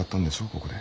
ここで。